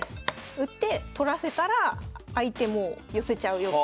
打って取らせたら相手もう寄せちゃうよって。